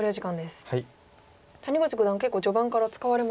谷口五段は結構序盤から使われますね。